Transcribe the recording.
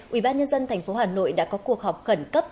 ubnd tp hà nội đã có cuộc họp khẩn cấp